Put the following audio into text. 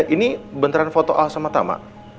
ini bentaran foto al sama tama